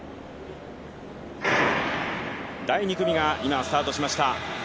第２組が今、スタートしました。